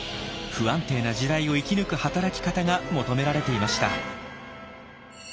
不安定な時代を生き抜く働き方が求められていました。